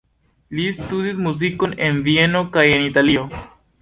Li studis muzikon en Vieno kaj en Italio.